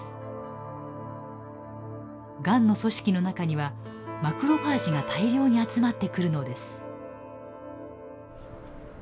がんの組織の中にはマクロファージが大量に集まってくるのです。